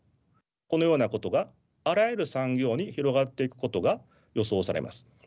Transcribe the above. このようなことがあらゆる産業に広がっていくことが予想されます。